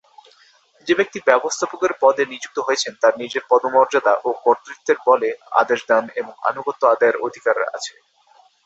যে ব্যক্তি ব্যবস্থাপকের পদে নিযুক্ত হয়েছেন, তার নিজের পদমর্যাদা ও কর্তৃত্বের বলে আদেশ দান এবং আনুগত্য আদায়ের অধিকার আছে।